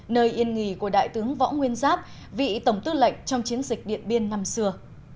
nơi yên nghỉ của đại tướng võ nguyên giáp vị tổng tư lệnh trong chiến dịch điện biên năm xưa